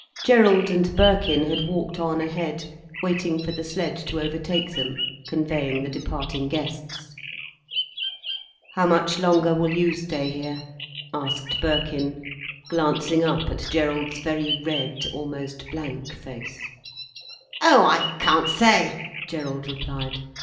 Gerald and Birkin had walked on ahead, waiting for the sledge to overtake them, conveying the departing guests. "How much longer will you stay here?" asked Birkin, glancing up at Gerald's very red, almost blank face. "Oh, I can't say," Gerald replied.